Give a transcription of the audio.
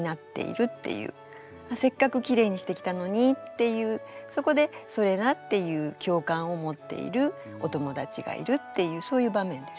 せっかくきれいにしてきたのにっていうそこで「それな」っていう共感を持っているお友達がいるっていうそういう場面ですね。